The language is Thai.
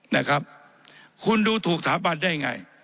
นะครับคุณดูถูกสถาบันได้ยังไง